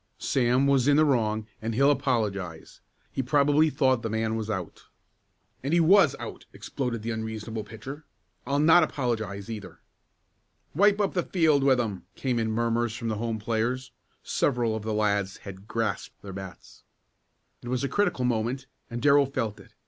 "Sam was in the wrong and he'll apologize. He probably thought the man was out." "And he was out!" exploded the unreasonable pitcher. "I'll not apologize, either." "Wipe up the field with 'em!" came in murmurs from the home players. Several of the lads had grasped their bats. It was a critical moment and Darrell felt it.